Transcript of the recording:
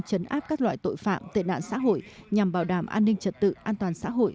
chấn áp các loại tội phạm tệ nạn xã hội nhằm bảo đảm an ninh trật tự an toàn xã hội